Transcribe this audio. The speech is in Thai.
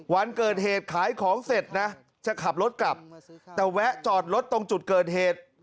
วันเกิดเหตุขายของเสร็จนะจะขับรถกลับแต่แวะจอดรถตรงจุดเกิดเหตุ